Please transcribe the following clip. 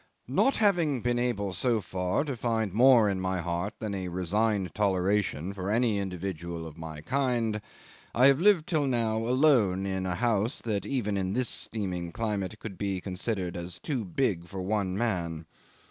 "Not having been able so far to find more in my heart than a resigned toleration for any individual of my kind, I have lived till now alone in a house that even in this steaming climate could be considered as too big for one man.